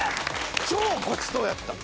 超ごちそうやった。